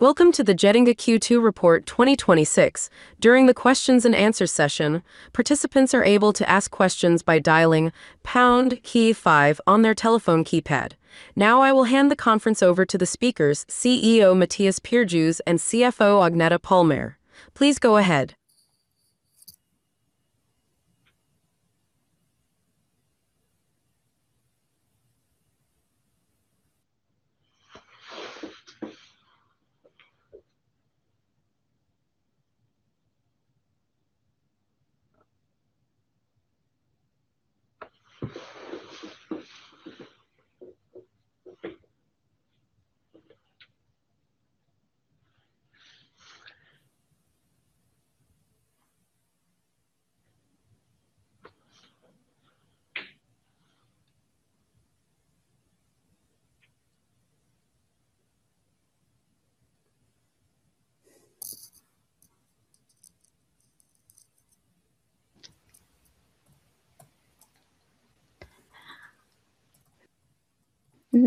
Welcome to the Getinge Q2 report 2026. During the questions and answers session, participants are able to ask questions by dialing pound key five on their telephone keypad. I will hand the conference over to the speakers, CEO Mattias Perjos, and CFO Agneta Palmér. Please go ahead. Hi,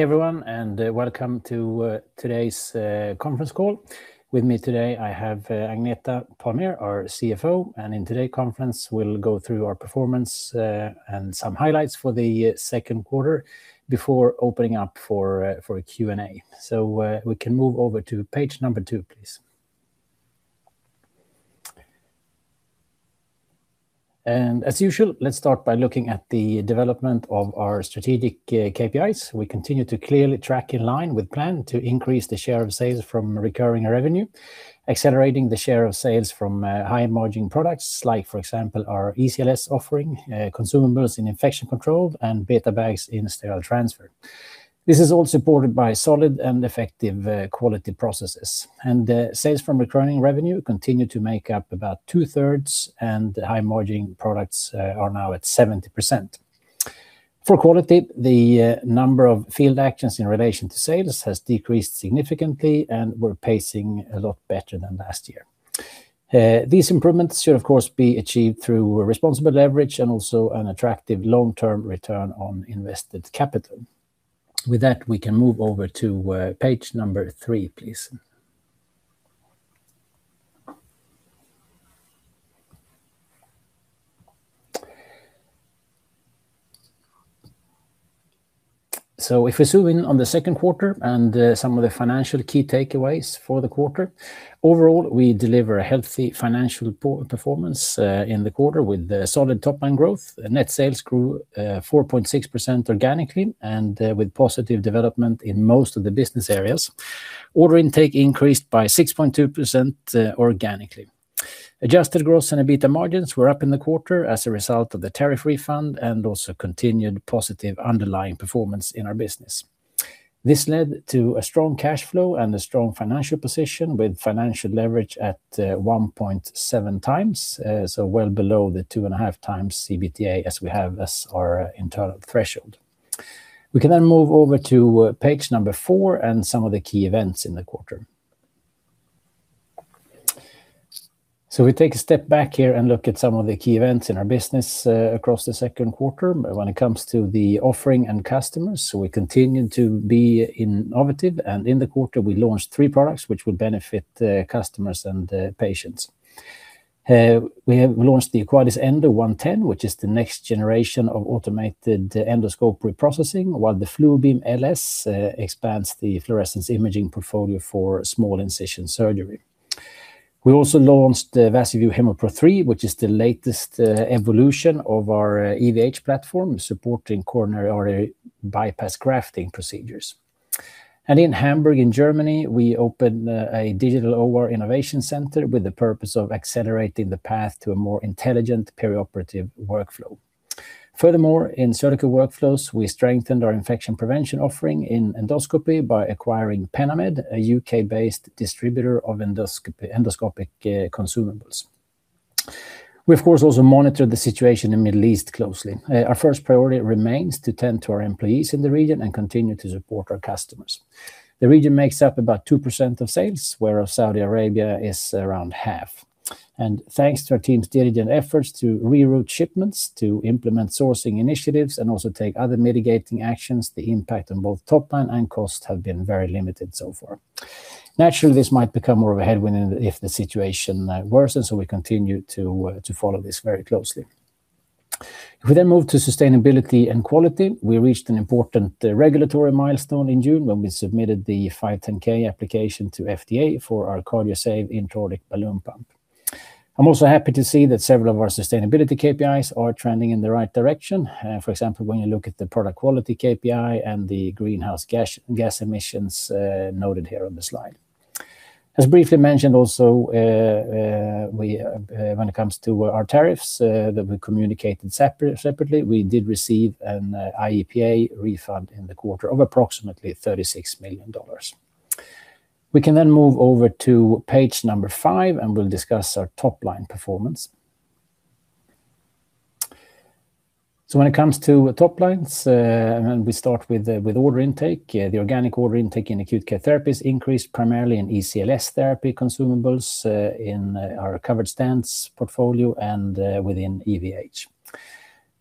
everyone, and welcome to today's conference call. With me today, I have Agneta Palmér, our CFO, in today conference, we'll go through our performance, and some highlights for the second quarter before opening up for a Q&A. We can move over to page number two, please. As usual, let's start by looking at the development of our strategic KPIs. We continue to clearly track in line with plan to increase the share of sales from recurring revenue, accelerating the share of sales from high margin products like, for example, our ECLS offering, consumables in infection control, and BetaBags in sterile transfer. This is all supported by solid and effective quality processes. The sales from recurring revenue continue to make up about two-thirds and the high margin products are now at 70%. For quality, the number of field actions in relation to sales has decreased significantly, and we're pacing a lot better than last year. These improvements should of course be achieved through responsible leverage and also an attractive long-term return on invested capital. With that, we can move over to page number three, please. If we zoom in on the second quarter and some of the financial key takeaways for the quarter. Overall, we deliver a healthy financial performance in the quarter with solid top-line growth. Net sales grew 4.6% organically and with positive development in most of the business areas. Order intake increased by 6.2% organically. Adjusted gross and EBITA margins were up in the quarter as a result of the tariff refund and also continued positive underlying performance in our business. This led to a strong cash flow and a strong financial position with financial leverage at 1.7 times, so well below the 2.5 times EBITDA as we have as our internal threshold. We can then move over to page number four and some of the key events in the quarter. We take a step back here and look at some of the key events in our business across the second quarter when it comes to the offering and customers. We continue to be innovative, and in the quarter we launched three products which will benefit the customers and the patients. We have launched the Aquadis Endo 110, which is the next generation of automated endoscope reprocessing. While the Fluobeam LS expands the fluorescence imaging portfolio for small incision surgery. We also launched the Vasoview Hemopro 3, which is the latest evolution of our EVH platform supporting coronary artery bypass grafting procedures. In Hamburg in Germany, we opened a digital OR innovation center with the purpose of accelerating the path to a more intelligent perioperative workflow. Furthermore, in Surgical Workflows, we strengthened our infection prevention offering in endoscopy by acquiring Pennamed, a U.K.-based distributor of endoscopic consumables. We of course also monitor the situation in Middle East closely. Our first priority remains to tend to our employees in the region and continue to support our customers. The region makes up about 2% of sales, where Saudi Arabia is around half. Thanks to our team's diligent efforts to reroute shipments, to implement sourcing initiatives, and also take other mitigating actions, the impact on both top line and cost have been very limited so far. We continue to follow this very closely. If we then move to sustainability and quality, we reached an important regulatory milestone in June when we submitted the 510(k) application to FDA for our Cardiosave intra-aortic balloon pump. I'm also happy to see that several of our sustainability KPIs are trending in the right direction. For example, when you look at the product quality KPI and the greenhouse gas emissions noted here on the slide. As briefly mentioned also, when it comes to our tariffs that we communicated separately, we did receive an IEEPA refund in the quarter of approximately $36 million. We can then move over to page number five, and we'll discuss our top-line performance. When it comes to top lines, and we start with order intake. The organic order intake in Acute Care Therapies increased primarily in ECLS therapy consumables in our covered stents portfolio and within EVH.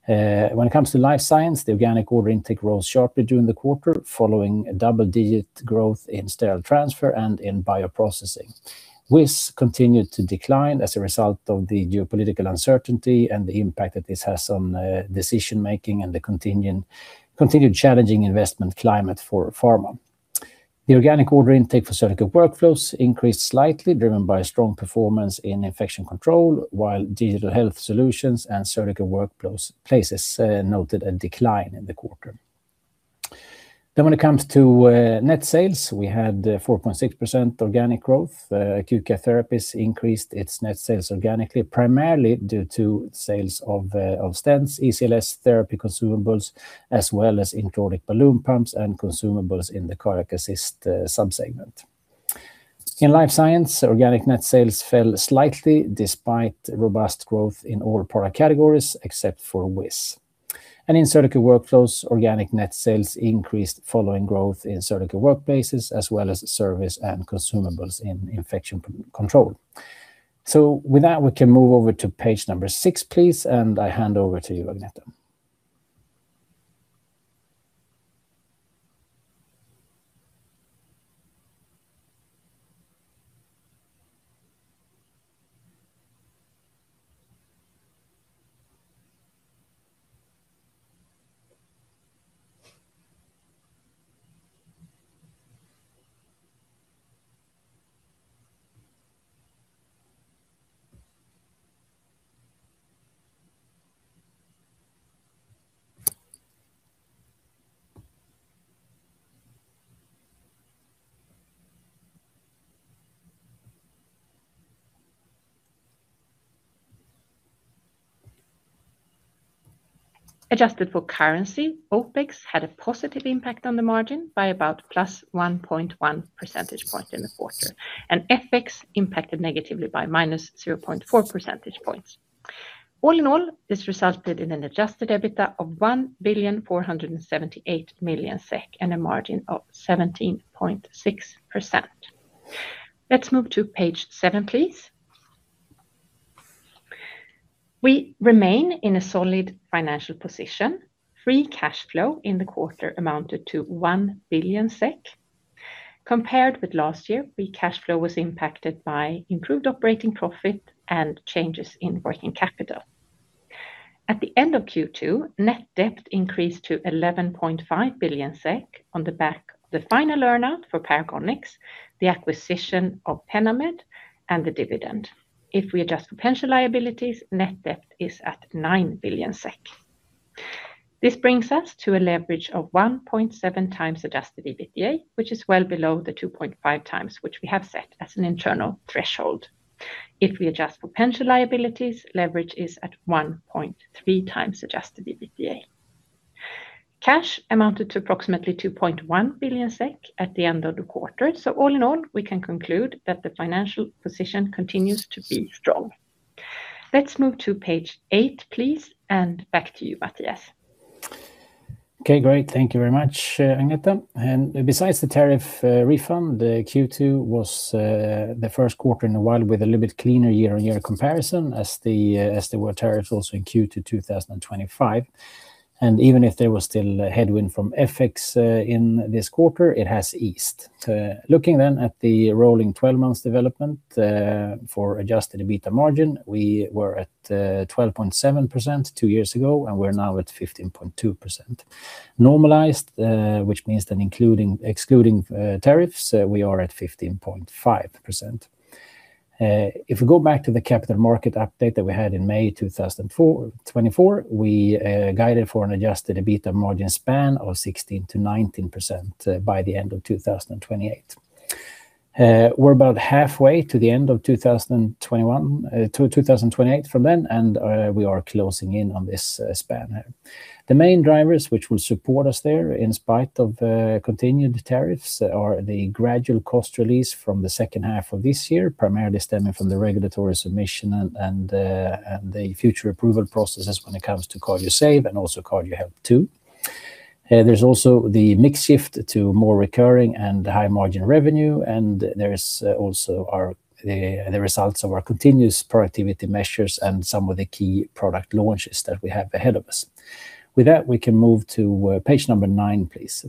When it comes to Life Science, the organic order intake rose sharply during the quarter following double-digit growth in sterile transfer and in bioprocessing. WIS continued to decline as a result of the geopolitical uncertainty and the impact that this has on decision making and the continued challenging investment climate for pharma. The organic order intake for Surgical Workflows increased slightly, driven by strong performance in infection control, while digital health solutions and surgical workplaces noted a decline in the quarter. When it comes to net sales, we had 4.6% organic growth. Acute Care Therapies increased its net sales organically, primarily due to sales of stents, ECLS therapy consumables, as well as in chronic balloon pumps and consumables in the cardiac assist subsegment. In life science, organic net sales fell slightly despite robust growth in all product categories except for WIS. In surgical workflows, organic net sales increased following growth in surgical workplaces as well as service and consumables in infection control. With that, we can move over to page number six, please, and I hand over to you, Agneta. Adjusted for currency, OpEx had a positive impact on the margin by about +1.1 percentage point in the quarter, FX impacted negatively by -0.4 percentage points. All in all, this resulted in an adjusted EBITA of 1.478 billion SEK and a margin of 17.6%. Let's move to page seven, please. We remain in a solid financial position. Free cash flow in the quarter amounted to 1 billion SEK. Compared with last year, free cash flow was impacted by improved operating profit and changes in working capital. At the end of Q2, net debt increased to 11.5 billion SEK on the back of the final earn-out for Paragonix, the acquisition of Pennamed, and the dividend. If we adjust for pension liabilities, net debt is at 9 billion SEK. This brings us to a leverage of 1.7 times adjusted EBITA, which is well below the 2.5 times, which we have set as an internal threshold. If we adjust for pension liabilities, leverage is at 1.3 times adjusted EBITA. Cash amounted to approximately 2.1 billion SEK at the end of the quarter. All in all, we can conclude that the financial position continues to be strong. Let's move to page eight, please. Back to you, Mattias. Okay, great. Thank you very much, Agneta. Besides the tariff refund, Q2 was the first quarter in a while with a little bit cleaner year-on-year comparison as there were tariffs also in Q2 2025. Even if there was still a headwind from FX in this quarter, it has eased. Looking then at the rolling 12 months development for adjusted EBITA margin, we were at 12.7% two years ago, and we're now at 15.2%. Normalized, which means that excluding tariffs, we are at 15.5%. If we go back to the capital market update that we had in May 2024, we guided for an adjusted EBITA margin span of 16%-19% by the end of 2028. We're about halfway to the end of 2028 from then, and we are closing in on this span. The main drivers which will support us there in spite of continued tariffs are the gradual cost release from the second half of this year, primarily stemming from the regulatory submission and the future approval processes when it comes to Cardiosave and also Cardiohelp II. There's also the mix shift to more recurring and high margin revenue, and there is also the results of our continuous productivity measures and some of the key product launches that we have ahead of us. With that, we can move to page nine, please.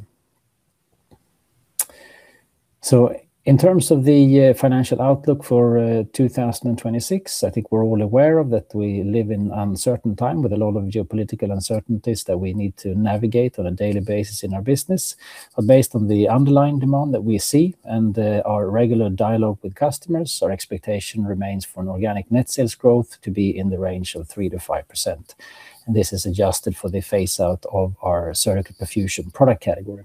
In terms of the financial outlook for 2026, I think we're all aware of that we live in uncertain time with a lot of geopolitical uncertainties that we need to navigate on a daily basis in our business. Based on the underlying demand that we see and our regular dialogue with customers, our expectation remains for an organic net sales growth to be in the range of 3%-5%. This is adjusted for the phase out of our Surgical Perfusion product category.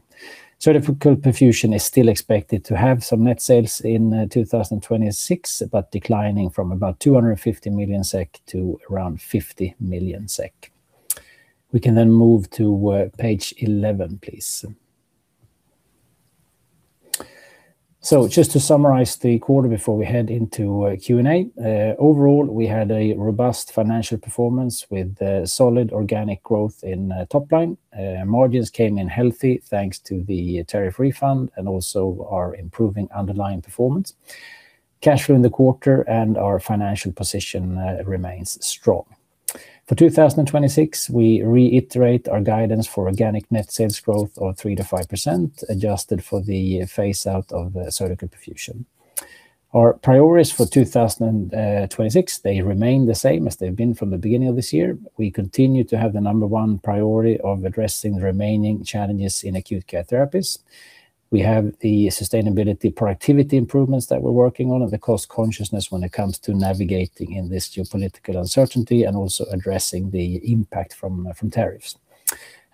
Surgical Perfusion is still expected to have some net sales in 2026, but declining from about 250 million SEK to around 50 million SEK. We can move to page 11, please. Just to summarize the quarter before we head into Q&A. Overall, we had a robust financial performance with solid organic growth in top line. Margins came in healthy thanks to the tariff refund and also our improving underlying performance. Cash flow in the quarter and our financial position remains strong. For 2026, we reiterate our guidance for organic net sales growth of 3%-5%, adjusted for the phase out of Surgical Perfusion. Our priorities for 2026, they remain the same as they've been from the beginning of this year. We continue to have the number one priority of addressing the remaining challenges in Acute Care Therapies. We have the sustainability productivity improvements that we're working on, and the cost consciousness when it comes to navigating in this geopolitical uncertainty, and also addressing the impact from tariffs.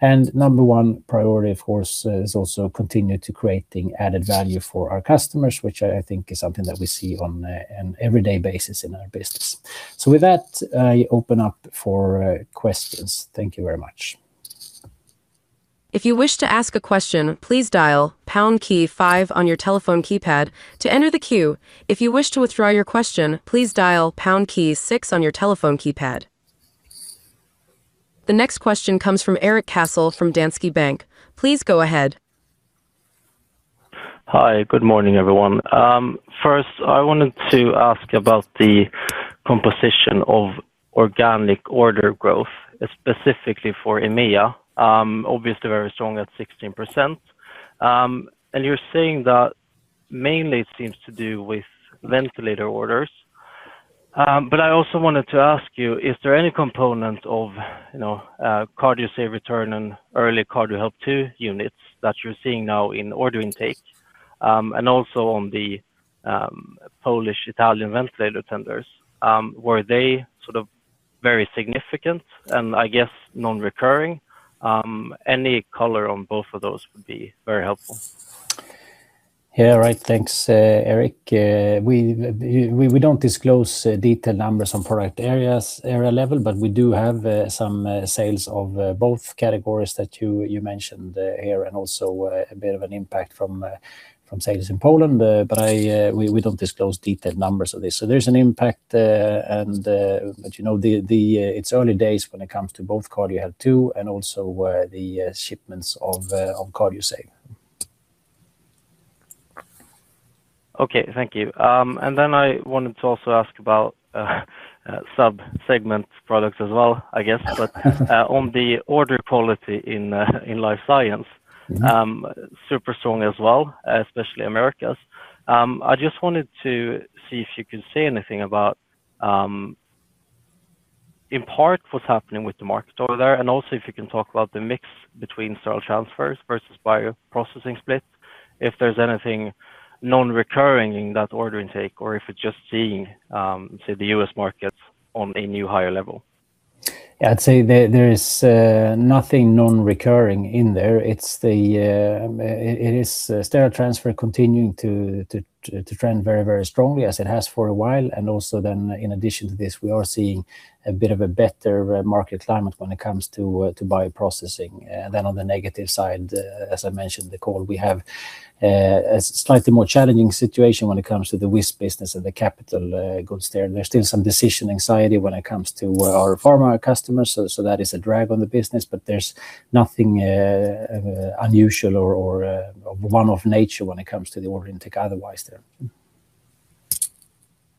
Number one priority, of course, is also continue to creating added value for our customers, which I think is something that we see on an everyday basis in our business. With that, I open up for questions. Thank you very much. If you wish to ask a question, please dial pound key five on your telephone keypad to enter the queue. If you wish to withdraw your question, please dial pound key six on your telephone keypad. The next question comes from Erik Cassel from Danske Bank. Please go ahead. Hi. Good morning, everyone. First, I wanted to ask about the composition of organic order growth, specifically for EMEA. Obviously very strong at 16%. You're saying that mainly it seems to do with ventilator orders. I also wanted to ask you, is there any component of Cardiosave return and early CardioHelp II units that you're seeing now in order intake? Also on the Polish, Italian ventilator tenders, were they sort of very significant and I guess non-recurring? Any color on both of those would be very helpful. Yeah. Right. Thanks, Erik. We don't disclose detailed numbers on product areas, area level, but we do have some sales of both categories that you mentioned here and also a bit of an impact from sales in Poland. We don't disclose detailed numbers of this. There's an impact, but it's early days when it comes to both CardioHelp II and also the shipments of Cardiosave. Okay. Thank you. I wanted to also ask about sub-segment products as well, I guess. On the order quality in Life Science. Super strong as well, especially Americas. I just wanted to see if you could say anything about, in part, what's happening with the market over there, and also if you can talk about the mix between sterile transfers versus bioprocessing split, if there's anything non-recurring in that order intake or if it's just seeing the U.S. market on a new higher level. Yeah. I'd say there is nothing non-recurring in there. It is sterile transfer continuing to trend very strongly as it has for a while. Also then in addition to this, we are seeing a bit of a better market climate when it comes to bioprocessing. On the negative side, as I mentioned in the call, we have a slightly more challenging situation when it comes to the WIS business and the capital goods there. There is still some decision anxiety when it comes to our pharma customers. That is a drag on the business, but there is nothing unusual or one-off nature when it comes to the order intake otherwise there.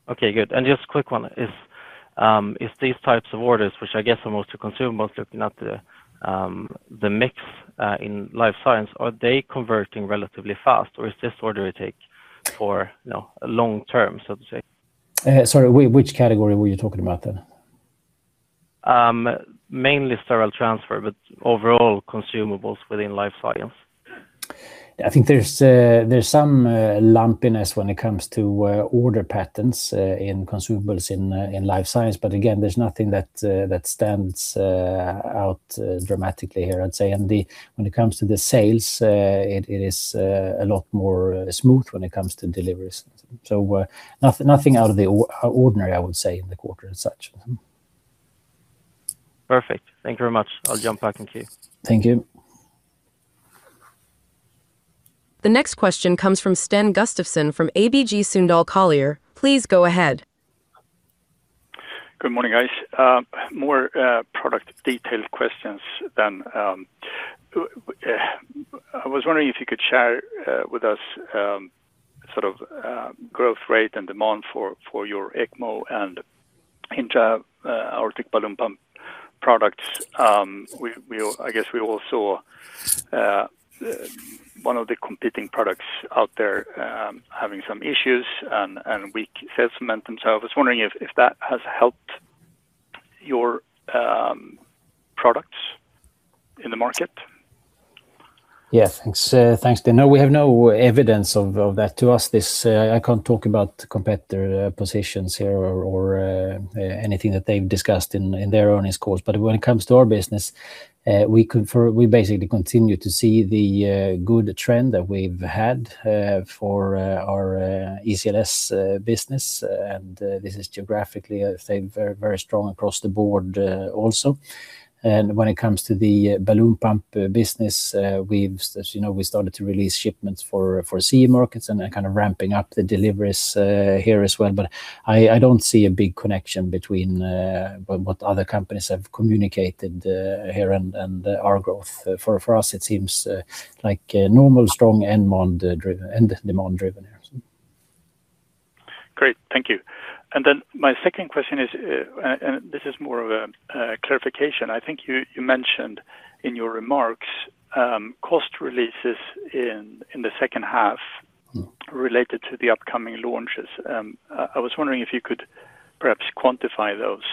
Okay, good. Just quick one. If these types of orders, which I guess are mostly consumable, looking at the mix in Life Science, are they converting relatively fast or is this order intake for long term, so to say? Sorry, which category were you talking about then? Mainly sterile transfer, overall consumables within Life Science. I think there's some lumpiness when it comes to order patterns in consumables in Life Science. Again, there's nothing that stands out dramatically here, I'd say. When it comes to the sales, it is a lot more smooth when it comes to deliveries. Nothing out of the ordinary, I would say, in the quarter as such. Perfect. Thank you very much. I'll jump back in queue. Thank you. The next question comes from Sten Gustafsson from ABG Sundal Collier. Please go ahead. Good morning, guys. More product detailed questions. I was wondering if you could share with us sort of growth rate and demand for your ECMO and intra-aortic balloon pump products. I guess we all saw one of the competing products out there having some issues and weak sales themselves. I was wondering if that has helped your products in the market. Yeah. Thanks, Sten. No, we have no evidence of that. To us, I can't talk about competitor positions here or anything that they've discussed in their earnings calls. When it comes to our business, we basically continue to see the good trend that we've had for our ECLS business, this is geographically staying very strong across the board also. When it comes to the balloon pump business, as you know, we started to release shipments for CE markets and are ramping up the deliveries here as well. I don't see a big connection between what other companies have communicated here and our growth. For us, it seems like normal strong end demand-driven here. Great. Thank you. My second question is more of a clarification. I think you mentioned in your remarks cost releases in the second half related to the upcoming launches. I was wondering if you could perhaps quantify those.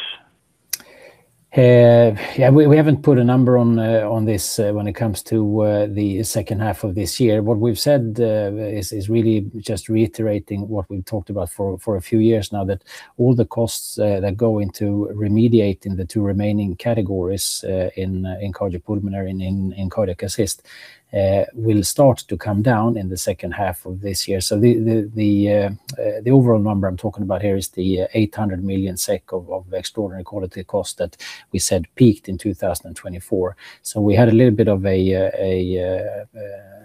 We haven't put a number on this when it comes to the second half of this year. What we've said is really just reiterating what we've talked about for a few years now, that all the costs that go into remediating the two remaining categories in cardiac pulmonary and in cardiac assist will start to come down in the second half of this year. The overall number I'm talking about here is the 800 million SEK of extraordinary quality cost that we said peaked in 2024. We had a little bit of a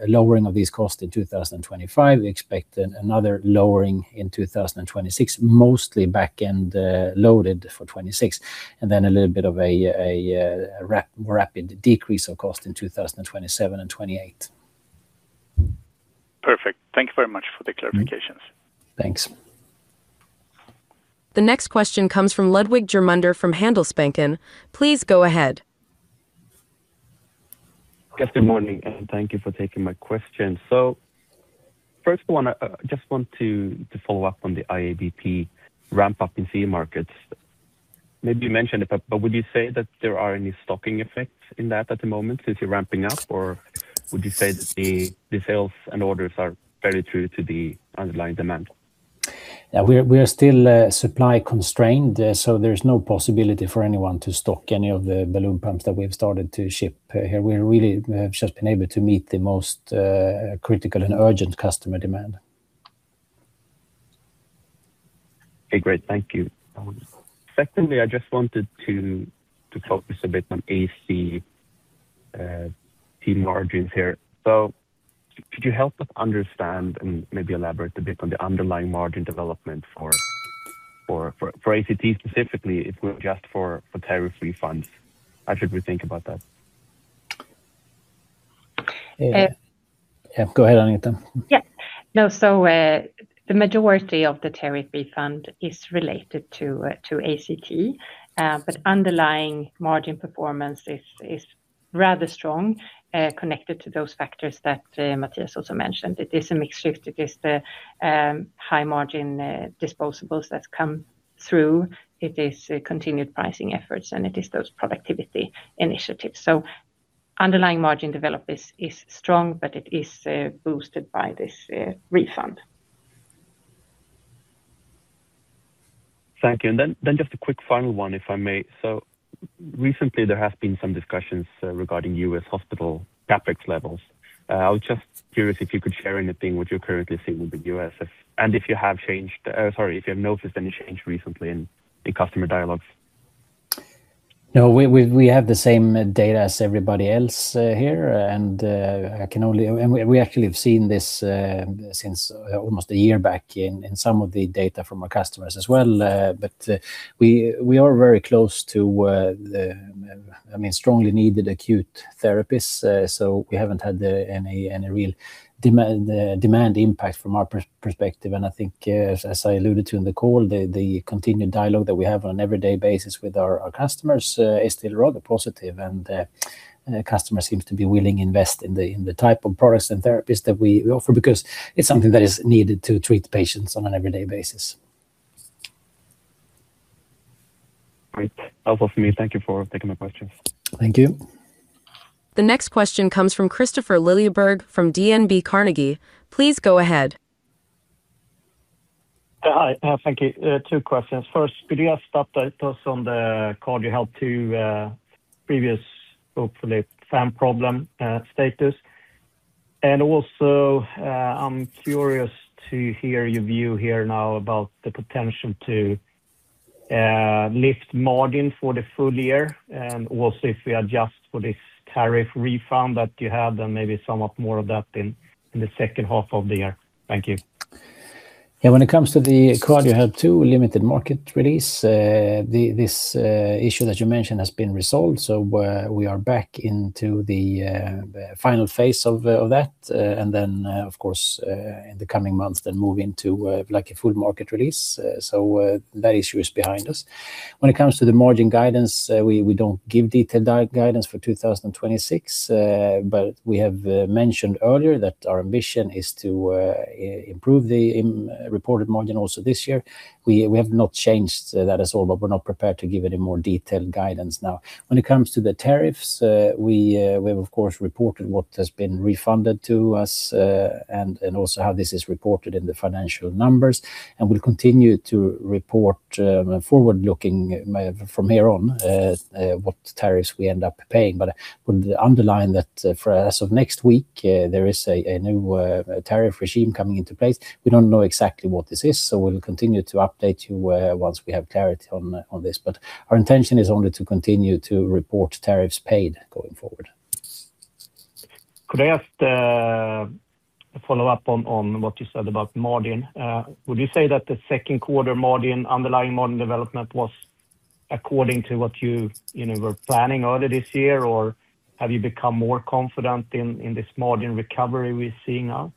lowering of these costs in 2025. We expect another lowering in 2026, mostly back-end loaded for 2026, a little bit of a rapid decrease of cost in 2027 and 2028. Perfect. Thank you very much for the clarifications. Thanks. The next question comes from Ludwig Germundsson from Handelsbanken. Please go ahead. Good morning, and thank you for taking my question. First one, I just want to follow up on the IABP ramp-up in CE markets. Maybe you mentioned it, but would you say that there are any stocking effects in that at the moment since you're ramping up, or would you say that the sales and orders are very true to the underlying demand? We are still supply constrained, so there's no possibility for anyone to stock any of the balloon pumps that we've started to ship here. We really have just been able to meet the most critical and urgent customer demand. Okay, great. Thank you. Secondly, I just wanted to focus a bit on ACT margins here. Could you help us understand and maybe elaborate a bit on the underlying margin development for ACT specifically, if we adjust for tariff refunds? How should we think about that? Go ahead, Agneta then. Yeah. The majority of the tariff refund is related to ACT. Underlying margin performance is rather strong, connected to those factors that Mattias also mentioned. It is a mix shift. It is the high margin disposables that come through. It is continued pricing efforts, and it is those productivity initiatives. Underlying margin development is strong, but it is boosted by this refund. Thank you. Just a quick final one, if I may. Recently, there have been some discussions regarding U.S. hospital CapEx levels. I was just curious if you could share anything what you're currently seeing with the U.S. and if you have noticed any change recently in customer dialogues. No, we have the same data as everybody else here. We actually have seen this since almost a year back in some of the data from our customers as well. We are very close to the strongly needed acute therapists. We haven't had any real demand impact from our perspective. I think, as I alluded to in the call, the continued dialogue that we have on an everyday basis with our customers is still rather positive. Customers seem to be willing invest in the type of products and therapies that we offer because it's something that is needed to treat patients on an everyday basis. Great. That's all from me. Thank you for taking my questions. Thank you. The next question comes from Kristofer Liljeberg from DNB Carnegie. Please go ahead. Hi. Thank you. Two questions. First, could you just update us on the Cardiohelp II previous, hopefully fan problem status? Also, I'm curious to hear your view here now about the potential to lift margin for the full year and also if we adjust for this tariff refund that you had and maybe sum up more of that in the second half of the year. Thank you. Yeah. When it comes to the Cardiohelp II limited market release, this issue that you mentioned has been resolved. We are back into the final phase of that. Of course, in the coming months, then move into a full market release. That issue is behind us. When it comes to the margin guidance, we don't give detailed guidance for 2026. We have mentioned earlier that our ambition is to improve the reported margin also this year. We have not changed that at all, but we're not prepared to give any more detailed guidance now. When it comes to the tariffs, we have, of course, reported what has been refunded to us and also how this is reported in the financial numbers. We'll continue to report forward-looking from here on what tariffs we end up paying. We'll underline that for as of next week, there is a new tariff regime coming into place. We don't know exactly what this is, we'll continue to update you once we have clarity on this. Our intention is only to continue to report tariffs paid going forward. Could I ask a follow-up on what you said about margin? Would you say that the second quarter underlying margin development was according to what you were planning earlier this year, or have you become more confident in this margin recovery we're seeing now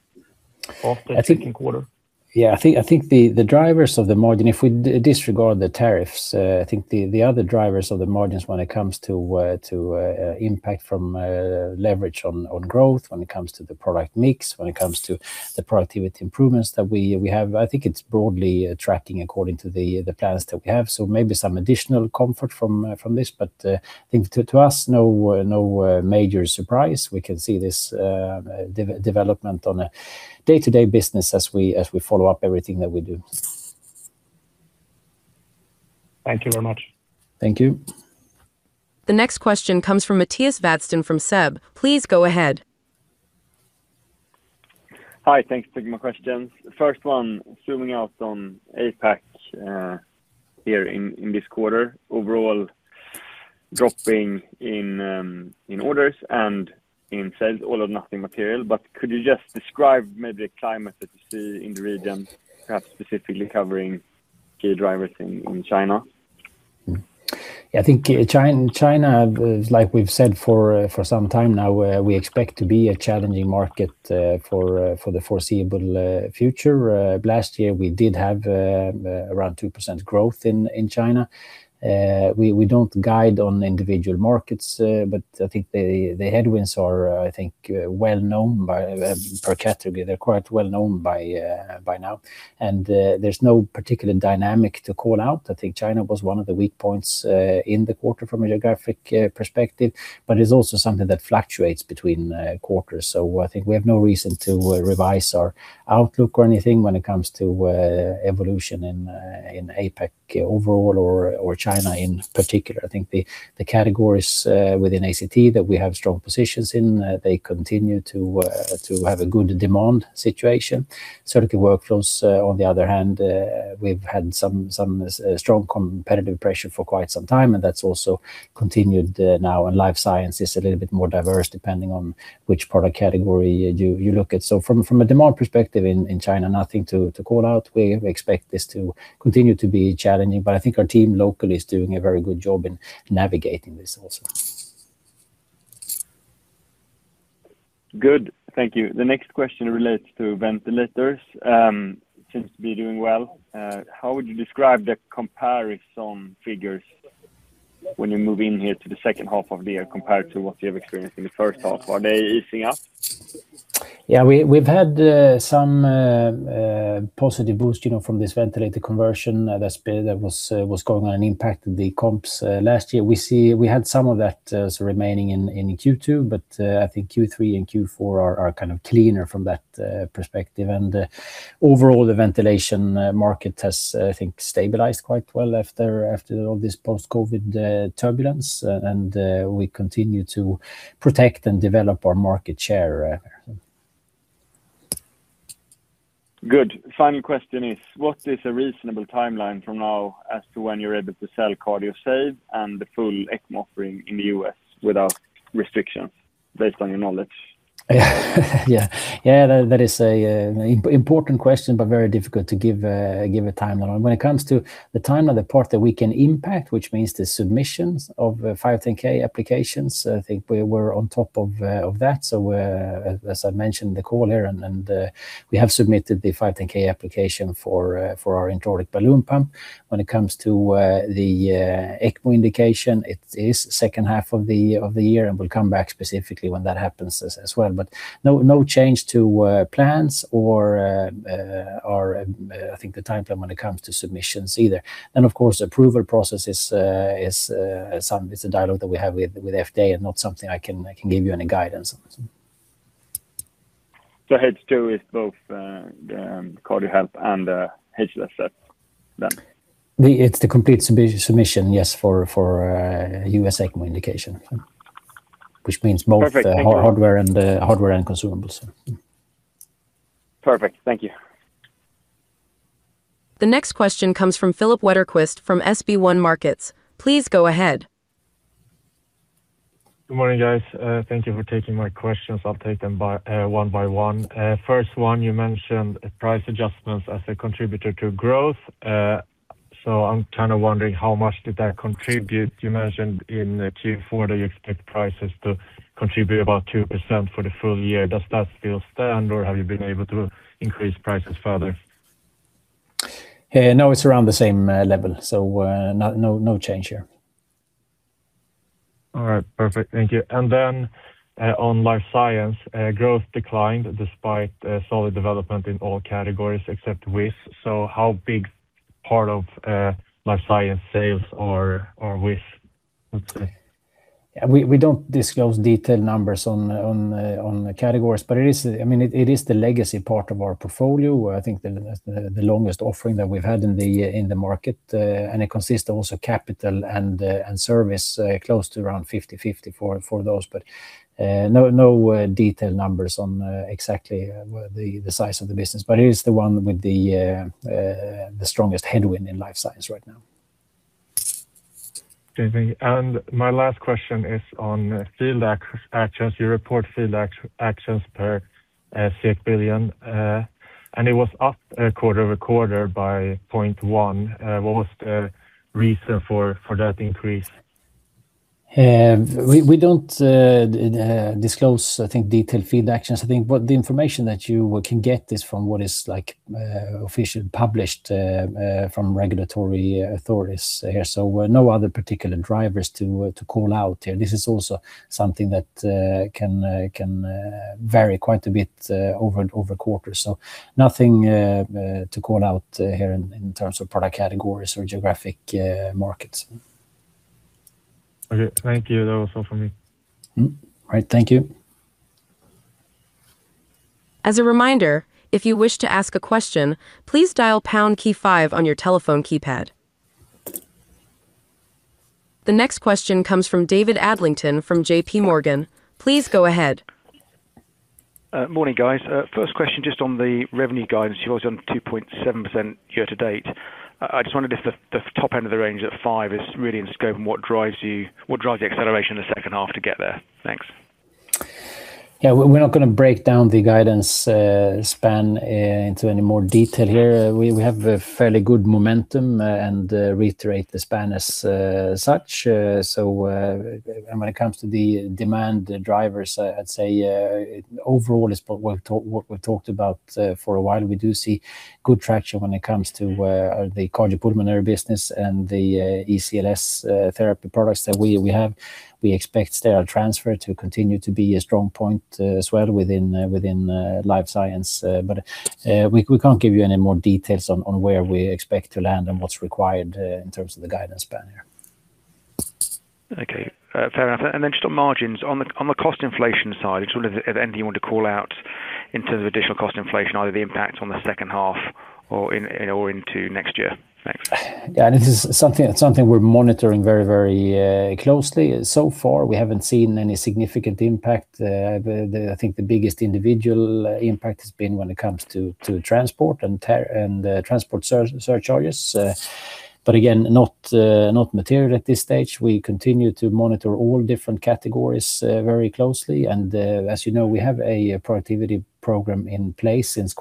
of the second quarter? Yeah, I think the drivers of the margin, if we disregard the tariffs, I think the other drivers of the margins when it comes to impact from leverage on growth, when it comes to the product mix, when it comes to the productivity improvements that we have. I think it's broadly tracking according to the plans that we have. Maybe some additional comfort from this. I think to us, no major surprise. We can see this development on a day-to-day business as we follow up everything that we do. Thank you very much. Thank you. The next question comes from Mattias Vadsten from SEB. Please go ahead. Hi. Thanks for taking my questions. First one, zooming out on APAC here in this quarter. Overall dropping in orders and in sales, all or nothing material. Could you just describe maybe the climate that you see in the region, perhaps specifically covering key drivers in China? I think China, like we've said for some time now, we expect to be a challenging market for the foreseeable future. Last year, we did have around 2% growth in China. We don't guide on individual markets. I think the headwinds are well known per category. They're quite well known by now. There's no particular dynamic to call out. I think China was one of the weak points in the quarter from a geographic perspective. It's also something that fluctuates between quarters. I think we have no reason to revise our outlook or anything when it comes to evolution in APAC overall or China in particular. I think the categories within ACT that we have strong positions in, they continue to have a good demand situation. Surgical Workflows, on the other hand, we've had some strong competitive pressure for quite some time, and that's also continued now. Life Science is a little bit more diverse depending on which product category you look at. From a demand perspective in China, nothing to call out. We expect this to continue to be challenging. I think our team locally is doing a very good job in navigating this also. Good. Thank you. The next question relates to ventilators. Seems to be doing well. How would you describe the comparison figures when you move in here to the second half of the year compared to what you have experienced in the first half? Are they easing up? We've had some positive boost from this ventilator conversion that was going on and impacted the comps last year. We had some of that remaining in Q2. I think Q3 and Q4 are cleaner from that perspective. Overall, the ventilation market has, I think, stabilized quite well after all this post-COVID turbulence. We continue to protect and develop our market share. Good. Final question is, what is a reasonable timeline from now as to when you're able to sell CardioSave and the full ECMO offering in the U.S. without restrictions, based on your knowledge? Yeah. That is an important question, very difficult to give a timeline on. When it comes to the timeline, the part that we can impact, which means the submissions of 510(k) applications, I think we're on top of that. As I mentioned in the call here, we have submitted the 510(k) application for our intra-aortic balloon pump. When it comes to the ECMO indication, it is second half of the year, we'll come back specifically when that happens as well. No change to plans or, I think, the timeframe when it comes to submissions either. Of course, approval process is a dialogue that we have with FDA and not something I can give you any guidance on. H2 is both the Cardiohelp and the HLS? It's the complete submission, yes, for USA ECMO indication. Which means both. Perfect. Thank you. The hardware and consumables. Perfect. Thank you. The next question comes from Filip Wetterqvist from SB1 Markets. Please go ahead. Good morning, guys. Thank you for taking my questions. I'll take them one by one. First one, you mentioned price adjustments as a contributor to growth. I'm kind of wondering, how much did that contribute? You mentioned in Q4 that you expect prices to contribute about 2% for the full year. Does that still stand, or have you been able to increase prices further? No, it's around the same level. No change here. All right, perfect. Thank you. On Life Science, growth declined despite solid development in all categories except WIS. How big part of Life Science sales are WIS, let's say? We don't disclose detailed numbers on the categories. It is the legacy part of our portfolio. I think the longest offering that we've had in the market, it consists of also capital and service, close to around 50/50 for those. No detailed numbers on exactly the size of the business. It is the one with the strongest headwind in Life Science right now. Getinge. My last question is on field actions. You report field actions per billion, and it was up quarter-over-quarter by 0.1. What was the reason for that increase? We don't disclose, I think, detailed field actions. I think what the information that you can get is from what is officially published from regulatory authorities here. No other particular drivers to call out here. This is also something that can vary quite a bit over quarters. Nothing to call out here in terms of product categories or geographic markets. Okay. Thank you. That was all for me. All right. Thank you. As a reminder, if you wish to ask a question, please dial pound key five on your telephone keypad. The next question comes from David Adlington from JPMorgan. Please go ahead. Morning, guys. First question just on the revenue guidance. You're obviously on 2.7% year-to-date. I just wondered if the top end of the range at five is really in scope, and what drives the acceleration in the second half to get there? Thanks. Yeah. We're not going to break down the guidance span into any more detail here. We have a fairly good momentum and reiterate the span as such. When it comes to the demand drivers, I'd say overall it's what we've talked about for a while. We do see good traction when it comes to the cardiopulmonary business and the ECLS therapy products that we have. We expect sterile transfer to continue to be a strong point as well within Life Science. We can't give you any more details on where we expect to land and what's required in terms of the guidance span here. Okay. Fair enough. Then just on margins, on the cost inflation side, sort of anything you wanted to call out in terms of additional cost inflation, either the impact on the second half or into next year? Thanks. Yeah, this is something we're monitoring very closely. Far, we haven't seen any significant impact. I think the biggest individual impact has been when it comes to transport and transport surcharges. Again, not material at this stage. We continue to monitor all different categories very closely. As you know, we have a productivity program in place since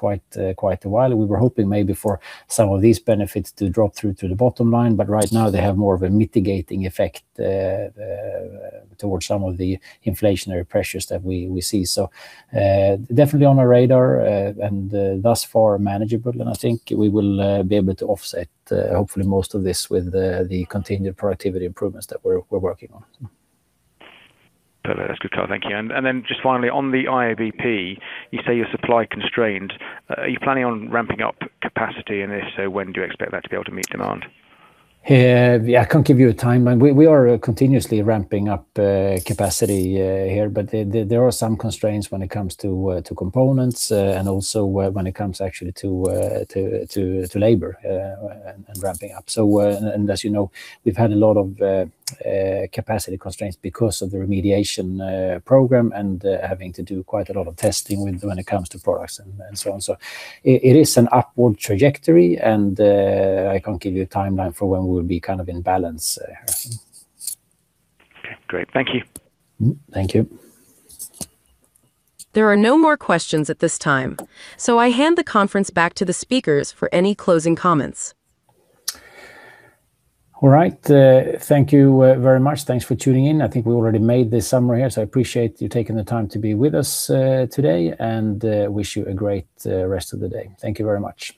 quite a while. We were hoping maybe for some of these benefits to drop through to the bottom line, right now they have more of a mitigating effect towards some of the inflationary pressures that we see. Definitely on our radar, thus far manageable. I think we will be able to offset hopefully most of this with the continued productivity improvements that we're working on. That's good, Mattias. Thank you. Then just finally on the IABP, you say you're supply constrained. Are you planning on ramping up capacity? If so, when do you expect that to be able to meet demand? Yeah, I can't give you a timeline. We are continuously ramping up capacity here. There are some constraints when it comes to components and also when it comes actually to labor and ramping up. As you know, we've had a lot of capacity constraints because of the remediation program and having to do quite a lot of testing when it comes to products and so on. It is an upward trajectory, I can't give you a timeline for when we'll be kind of in balance here. Okay, great. Thank you. Thank you. There are no more questions at this time. I hand the conference back to the speakers for any closing comments. All right. Thank you very much. Thanks for tuning in. I think we already made this summary here, so I appreciate you taking the time to be with us today, and wish you a great rest of the day. Thank you very much